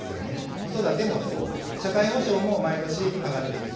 子育てもそう、社会保障も毎年上がっていくと。